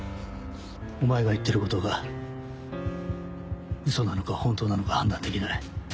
お前が言ってることがウソなのかホントなのか判断できない。